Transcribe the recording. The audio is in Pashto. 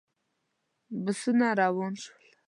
بسونه روان شول.